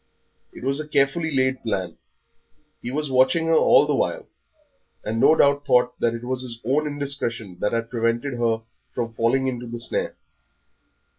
It was a carefully laid plan, he was watching her all the while, and no doubt thought that it was his own indiscretion that had prevented her from falling into the snare.